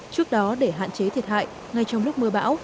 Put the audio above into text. trước đó để hạn chế thiệt hại ngay trong lúc mưa bão